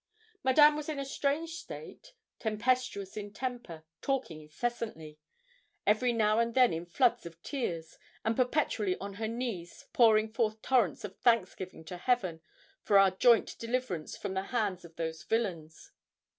Madame was in a strange state tempestuous in temper, talking incessantly every now and then in floods of tears, and perpetually on her knees pouring forth torrents of thanksgiving to Heaven for our joint deliverance from the hands of those villains.